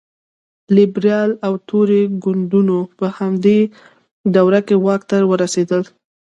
لېبرال او توري ګوندونو په همدې دوره کې واک ته ورسېدل.